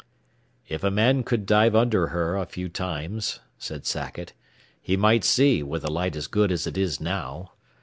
"If a man could dive under her a few times," said Sackett, "he might see, with the light as good as it is now.